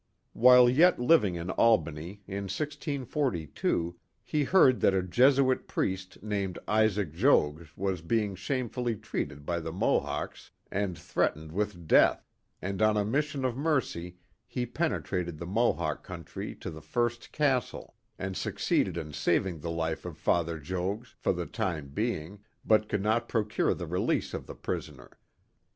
While yet living in Albany, in 1642, he heard that a Jesuit priest named Isaac Jogues was being shamefully treated by the Mohawks and threatened with death, and on a mission of mercy he penetrated the Mohawk country to the first Castle, and succeeded in saving the life of Father Jogues for the time being, but could not procure the release of the prisoner.